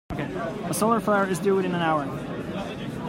A solar flare is due within the hour.